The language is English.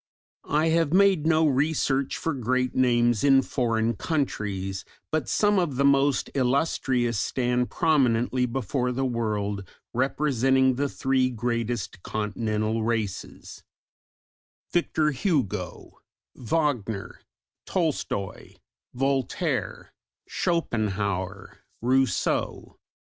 I have made no research for great names in foreign countries, but some of the most illustrious stand prominently before the world representing the three greatest continental races: Victor Hugo, Wagner, Tolstoy, Voltaire, Schopenhauer, Rousseau.